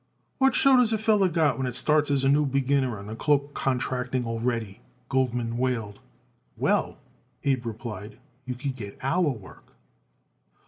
"What show does a feller got it what starts as a new beginner in cloak contracting already?" Goldman wailed. "Well," Abe replied, "you could get our work."